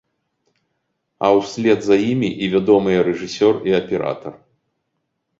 А ў след за імі і вядомыя рэжысёр і аператар.